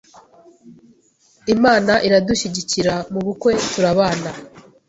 Imana iradushyigikira mu bukwe turabana